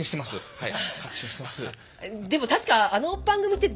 はい。